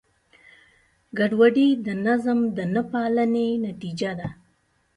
ګډوډي د نظم د نهپالنې نتیجه ده.